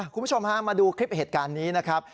คุณผู้ชมฮะมาดูคลิปเหตุการณ์นี้นะครับ